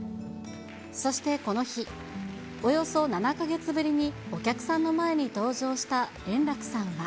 そしてこの日、およそ７か月ぶりにお客さんの前に登場した円楽さんは。